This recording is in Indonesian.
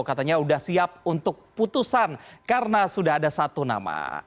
katanya sudah siap untuk putusan karena sudah ada satu nama